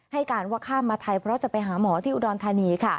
ให้การว่าข้ามมาไทยเพราะจะไปหาหมอที่อุดรธานี